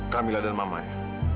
kamilah dan mama ya